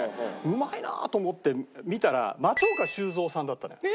うまいなと思って見たら松岡修造さんだったのよ。